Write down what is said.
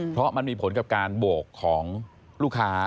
เพราะมันมีผลกับการโบกของลูกค้า